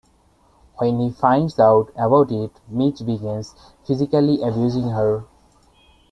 When he finds out about it, Mitch begins physically abusing her.